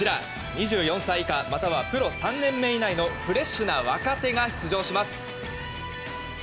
２４歳以下またはプロ３年目以内のフレッシュな若手が出場します。